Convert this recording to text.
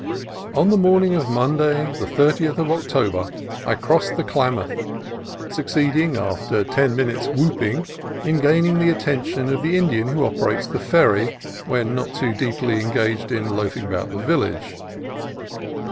On the morning of Monday, the 30th of October, I crossed the Klamath, succeeding, after ten min utes' whooping, in gaining the attention of the In dian who operates the ferry when not too deeply en gaged in loafing about the village.